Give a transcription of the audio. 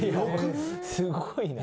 すごいな。